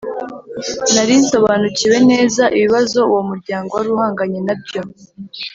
Nari nsobanukiwe neza ibibazo uwo muryango wari uhanganye na byo